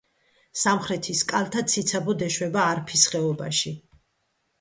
სამხრეთის კალთა ციცაბოდ ეშვება არფის ხეობაში.